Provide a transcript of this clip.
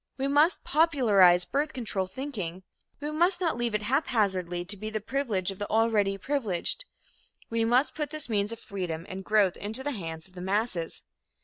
We must popularize birth control thinking. We must not leave it haphazardly to be the privilege of the already privileged. We must put this means of freedom and growth into the hands of the masses.